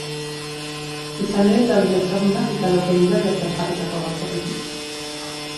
Izan ere, talde ezagunak igaroko dira bertan jarritako agertokitik.